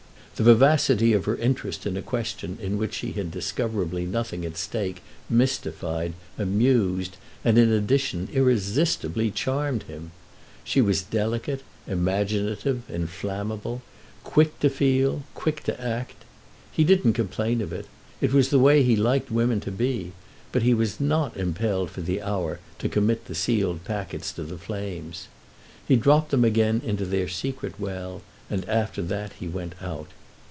The vivacity of her interest in a question in which she had discoverably nothing at stake mystified, amused and, in addition, irresistibly charmed him. She was delicate, imaginative, inflammable, quick to feel, quick to act. He didn't complain of it, it was the way he liked women to be; but he was not impelled for the hour to commit the sealed packets to the flames. He dropped them again into their secret well, and after that he went out.